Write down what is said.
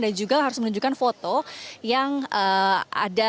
dan juga harus menunjukkan foto yang ada senyum yang ada giginya begitu budi